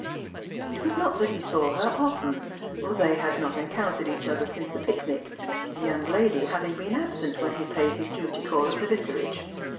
It was not that he saw her often, for they had not encountered each other since the picnic, the young lady having been absent when he paid his duty call at the Vicarage.